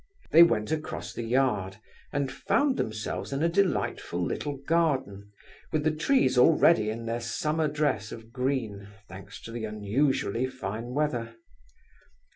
They went across the yard, and found themselves in a delightful little garden with the trees already in their summer dress of green, thanks to the unusually fine weather.